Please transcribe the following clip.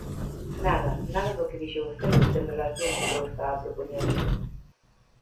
Nada, nada do que dixo vostede ten relación co que eu estaba propoñendo.